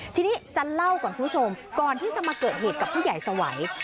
ทีนี้จะเล่าก่อนคุณผู้ชมก่อนที่จะมาเกิดเหตุกับผู้ใหญ่สวัย